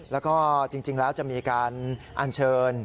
แล้วก็จริงแล้วจะมีการอัญเชิญ